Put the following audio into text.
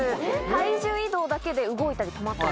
体重移動だけで動いたり止まったり。